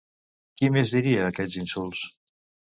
Qui més diria aquests insults?